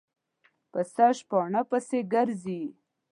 پسه شپانه پسې ګرځي.